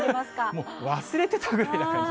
もう忘れてたぐらいな感じ。